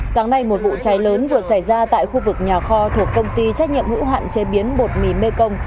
sáng nay một vụ cháy lớn vừa xảy ra tại khu vực nhà kho thuộc công ty trách nhiệm hữu hạn chế biến bột mì mekong